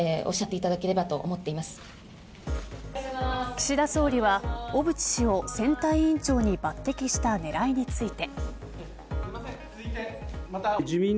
岸田総理は小渕氏を選対委員長に抜てきしたねらいについて。